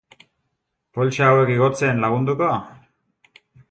Poltsa hauek igotzen lagunduko?